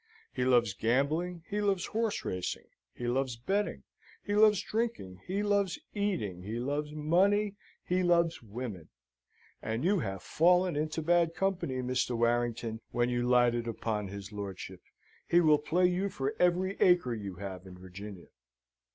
He loves gambling, he loves horse racing, he loves betting, he loves drinking, he loves eating, he loves money, he loves women; and you have fallen into bad company, Mr. Warrington, when you lighted upon his lordship. He will play you for every acre you have in Virginia."